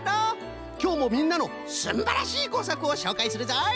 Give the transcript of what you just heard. きょうもみんなのすんばらしいこうさくをしょうかいするぞい！